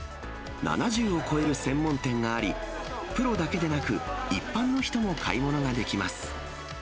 ７０を超える専門店があり、プロだけでなく、一般の人も買い物ができます。